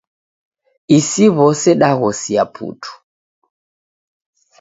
Isi w'ose daghosia putu.